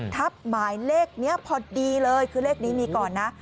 ทับหมายเลขนี้พอดีเลยคือเลขนี้มีก่อนนะ